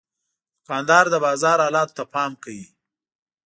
دوکاندار د بازار حالاتو ته پام کوي.